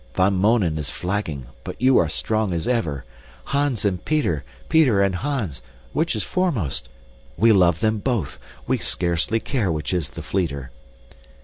Van Mounen is flagging, but you are strong as ever. Hans and Peter, Peter and Hans; which is foremost? We love them both. We scarcely care which is the fleeter.